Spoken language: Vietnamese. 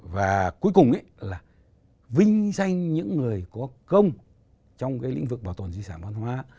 và cuối cùng ấy là vinh danh những người có công trong cái lĩnh vực bảo tồn di sản văn hóa